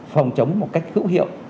phòng chống một cách hữu hiệu